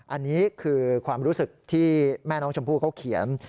อันนี้คือความรู้สึกที่แม่น้องชมพู่เขาเขียน